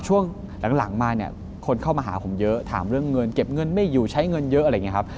ช่วงหลังมาเนี่ยคนเข้ามาหาผมเยอะถามเรื่องเงินเก็บเงินไม่อยู่ใช้เงินเยอะอะไรอย่างนี้ครับ